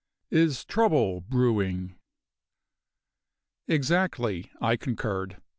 IS TROUBLE BREWING? "Exactly," I concurred.